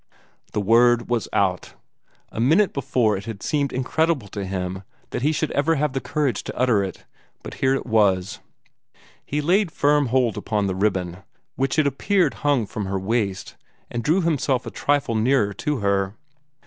The word was out! A minute before it had seemed incredible to him that he should ever have the courage to utter it but here it was. He laid firm hold upon the ribbon, which it appeared hung from her waist, and drew himself a trifle nearer to her.